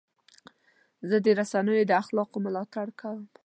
زه د رسنیو د اخلاقو ملاتړ کوم.